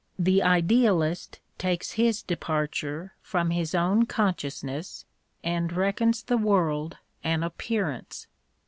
The idealist takes his departure from his own consciousness and reckons the world an appearance.